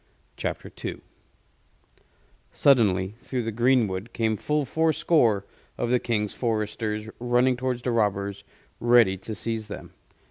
CHAPTER II Suddenly through the greenwood came full four score of the King's Foresters, running towards the robbers, ready to seize them.